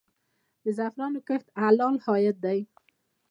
د زعفرانو کښت حلال عاید دی؟